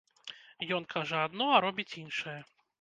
Ён кажа адно, а робіць іншае.